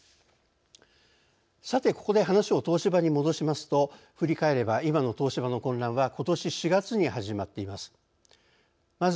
さて、ここで話を東芝に戻しますと振り返れば今の東芝の混乱はことし４月に始まっています。